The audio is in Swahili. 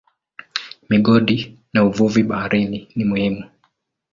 Migodi na uvuvi baharini ni muhimu.